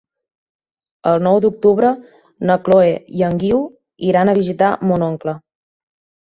El nou d'octubre na Chloé i en Guiu iran a visitar mon oncle.